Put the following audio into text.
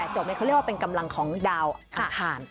จบเขาเรียกว่าเป็นกำลังของดาวอังคาร